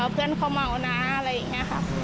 เพื่อนเขาเมานะอะไรอย่างนี้ค่ะ